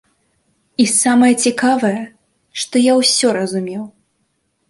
І самае цікавае, што я ўсё разумеў.